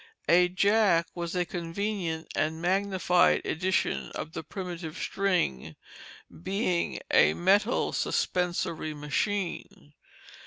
A jack was a convenient and magnified edition of the primitive string, being a metal suspensory machine.